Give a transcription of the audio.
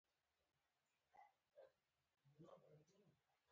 د دولت د بدن یوه برخه وه.